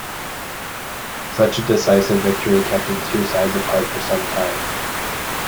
Such a decisive victory kept the two sides apart for some time.